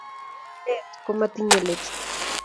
Somanet komatinye let